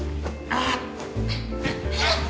ああ